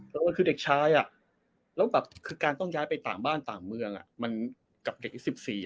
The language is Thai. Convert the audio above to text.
แล้วก็คือเด็กชายแล้วก็คือการต้องย้ายไปต่างบ้านต่างเมืองกับเด็ก๑๔อะ